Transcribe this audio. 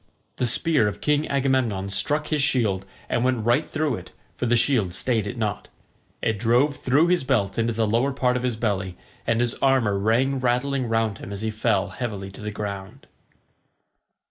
The spear of King Agamemnon struck his shield and went right through it, for the shield stayed it not. It drove through his belt into the lower part of his belly, and his armour rang rattling round him as he fell heavily to the ground.